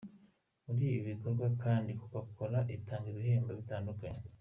Muri ibi bikorwa kandi Coca-Cola itanga n'ibihembo bitandukanye.